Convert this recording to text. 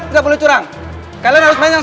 nggak boleh curang kalian harus main yang